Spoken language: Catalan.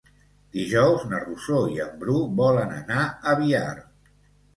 Dijous na Rosó i en Bru volen anar a Biar.